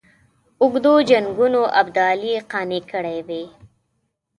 اوږدو جنګونو ابدالي قانع کړی وي.